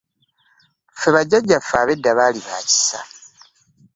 Ffe bajjajja ffe ab'eda baali ba kisa.